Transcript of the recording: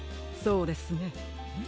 そうですね。